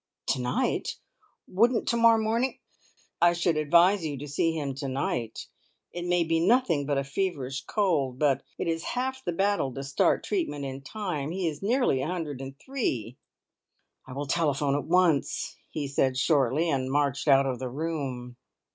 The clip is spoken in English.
"To night! Wouldn't to morrow morning ?" "I should advise you to see him to night. It may be nothing but a feverish cold, but it is half the battle to start treatment in time. He is nearly 103." "I will telephone at once," he said shortly, and marched out of the room.